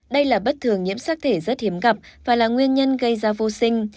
đây là bất thường nhiễm sắc thể rất hiếm gặp và là nguyên nhân gây ra vô sinh